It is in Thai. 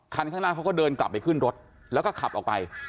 คันข้างหน้าเขาก็เดินกลับไปขึ้นรถแล้วก็ขับออกไป